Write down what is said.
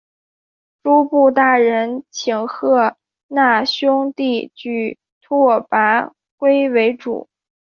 诸部大人请贺讷兄弟举拓跋圭为主。